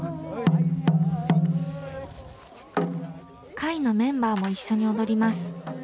会のメンバーも一緒に踊ります。